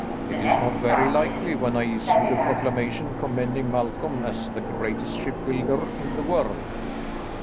"It is not very likely, when I issued a proclamation commending Malcolm as the greatest shipbuilder in the world."